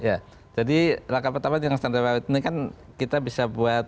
ya jadi langkah pertama dengan standar rawit ini kan kita bisa buat